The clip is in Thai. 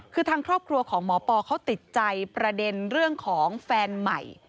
คือทางครอบครัวของหมอปอเขาติดใจประเด็นเรื่องของแฟนใหม่